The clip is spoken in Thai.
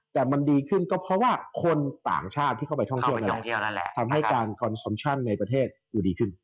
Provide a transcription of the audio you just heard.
แต่มันดีขึ้นก็เพราะว่าคนต่างชาติที่เข้าไปท่องเที่ยวเนี่ยทำให้การคอนซอมชั่นในประเทศดูดีขึ้น